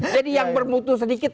jadi yang bermutu sedikit